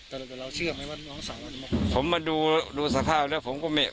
แต่เราเชื่อไหมว่าน้องสาวผมมาดูดูสภาพแล้วผมก็ไม่